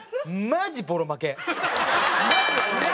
マジボロ負け。